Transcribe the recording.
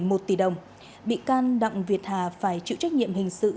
trong thời gian dài bị can đặng việt hà phải chịu trách nhiệm hình sự